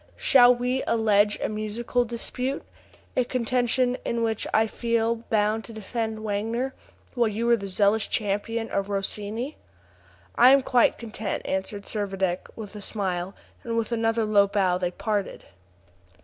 Shall we allege a musical dispute? a contention in which I feel bound to defend Wagner, while you are the zealous champion of Rossini?" "I am quite content," answered Servadac, with a smile; and with another low bow they parted.